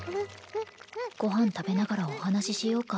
ご飯食べながらお話ししようか